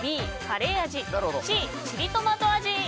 Ｂ、カレー味Ｃ、チリトマト味。